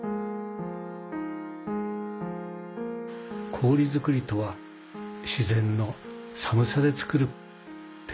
氷作りとは自ぜんの寒さで作る天